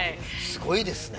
すごいですね。